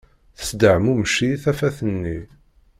Tesdeɛmumec-iyi tafat-nni